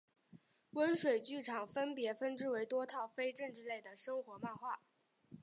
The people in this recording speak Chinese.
温水剧场分别分支为多套非政治类的生活漫画